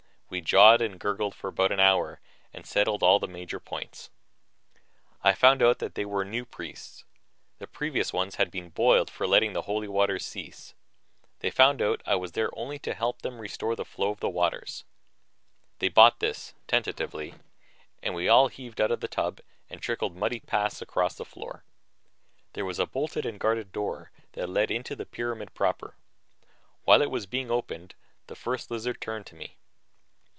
We jawed and gurgled for about an hour and settled all the major points. I found out that they were new priests; the previous ones had all been boiled for letting the Holy Waters cease. They found out I was there only to help them restore the flow of the waters. They bought this, tentatively, and we all heaved out of the tub and trickled muddy paths across the floor. There was a bolted and guarded door that led into the pyramid proper. While it was being opened, the First Lizard turned to me.